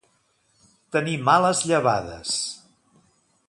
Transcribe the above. Tenir males llevades.